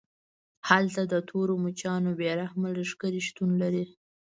هلته د تورو مچانو بې رحمه لښکرې شتون لري